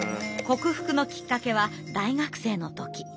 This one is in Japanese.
克服のきっかけは大学生の時。